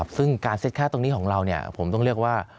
ซึ่งการเซ็ตค่าตรงนี้ของเราผมต้องเรียกว่า